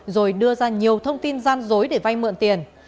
rồi đưa ra nhiều thông tin gian dối để vay mượn tiền